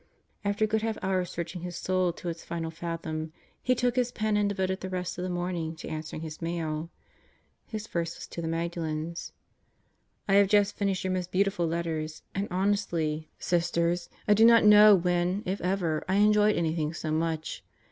After a good half hour of searching his soul to its final fathom he took his pen and devoted the rest of the morning to answering his mail. His first was to the Magdalens: I have just finished your most beautiful letters and honestly, Sis 132 God Goes to Murderer's Row ters, I do not know when, if ever, I enjoyed anything so much.